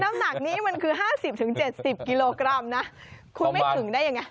น้ำหนักนี้มันคือ๕๐๗๐กิโลกรัมนะคุณไม่ถึงได้ยังไง